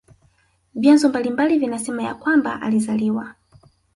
Vyanzo mbalimbali vinasema ya kwamba alizaliwa